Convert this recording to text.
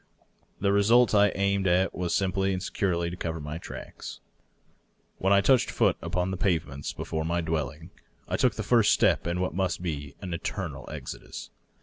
The result I aimed at was simply and securely to cover my tracks. When I touched foot upon the pavements before my dwelling I took the first step in what must be an eternal exodus.